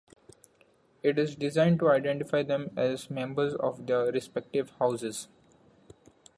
It is designed to identify them as members of their respective houses.